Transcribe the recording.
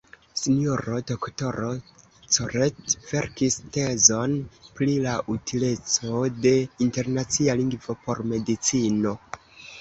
S-ro Doktoro Corret verkis tezon pri la utileco de internacia lingvo por medicino.